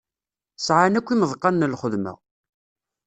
Sɛan akk imeḍqan n lxedma.